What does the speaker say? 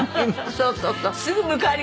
そうそうそう。